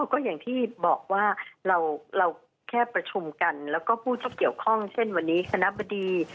ก็อย่างที่บอกว่าเราแค่ประชุมกันแล้วก็ผู้ที่เกี่ยวข้องเช่นวันนี้คณะบดี